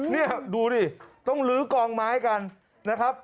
นี่ดูดิต้องลื้อกองไม้กันนะครับ